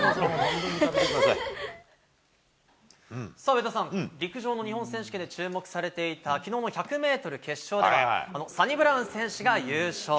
上田さん、陸上・日本選手権で注目されていた昨日の１００ｍ決勝では、サニブラウン選手が優勝。